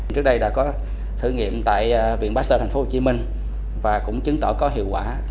trước đây đã có thử nghiệm tại viện pasteur tp hcm và cũng chứng tỏ có hiệu quả